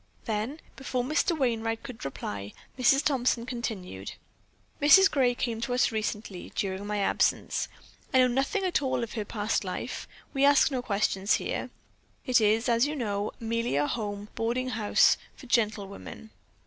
Then before Mr. Wainright could reply, Mrs. Thompson continued: "Mrs. Gray came to us recently, during my absence. I know nothing at all about her past life; we ask no questions here. It is, as you know, merely a home boarding house for gentlewomen.